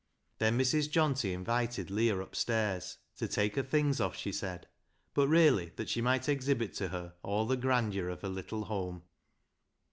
Then Mrs. Johnty invited Leah upstairs, to take her things off, she said, but really that she might exhibit to her all the grandeur of her little home.